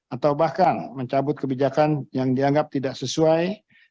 atau bahkan mencabut kebijakan yang dianggap tidak sesuai